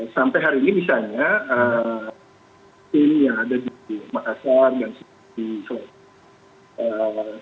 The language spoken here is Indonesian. sampai hari ini misalnya tim yang ada di makassar dan di sulawesi